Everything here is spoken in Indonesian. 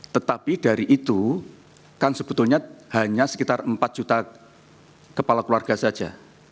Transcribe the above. tetapi dari itu kan sebetulnya hanya sekitar empat juta kepala keluarga saja